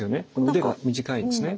腕が短いですね。